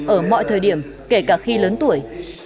ở mọi thời điểm kể cả khi lớn tuổi